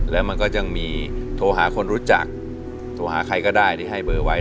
แล้วมันก็ยังมีโทรหาคนรู้จักโทรหาใครก็ได้ที่ให้เบอร์ไว้